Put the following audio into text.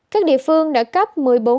các địa phương đã cấp